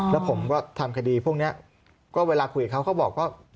แล้วผมก็ทำคดีพวกนี้ก็เวลาคุยกับเขาก็บอกว่า